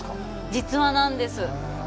実話なんです。